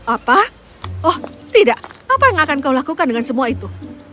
apa oh tidak apa yang akan kau lakukan dengan semua itu